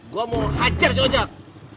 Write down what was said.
gue mau hajar si ojak